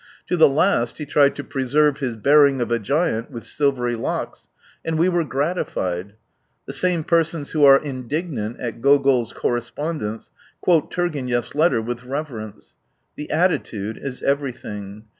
To the last he tried to preserve his bearing of a giant with silvery locks. And we were gratified. The same persons who are indig nant at Gogol's correspondence, quote Tur genev's letter with reverence. The attitude is everything.